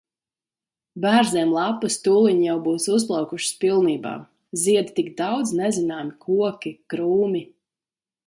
Bērziem lapas tūliņ jau būs uzplaukušas pilnībā. Zied tik daudzi nezināmi koki, krūmi.